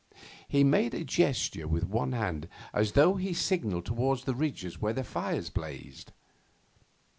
He made a gesture with one hand, as though he signalled towards the ridges where the fires blazed.